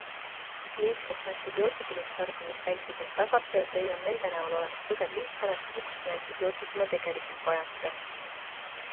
Liigset antibiootikumide tarbimist vältides tagate, et teil on nende näol olemas tugev liitlane puhuks, kui antibiootikume tegelikult vajate.